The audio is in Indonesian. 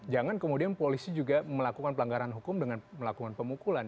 jangan kemudian polisi juga melakukan pelanggaran hukum dengan melakukan pemukulan